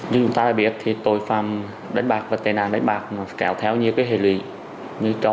như chúng ta đã biết thì tội phạm đánh bạc và tên àn đánh bạc nó kéo theo nhiều hệ lụy như cho